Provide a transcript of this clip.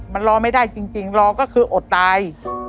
มันรอไม่ได้จริงรอก็คืออดตาย